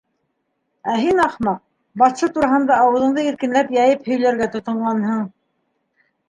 Ә һин, ахмаҡ, батша тураһында ауыҙыңды иркенләп йәйеп һөйләргә тотонғанһың.